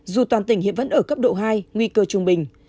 dù toàn tỉnh hiện vẫn ở cấp độ hai nguy cơ trung bình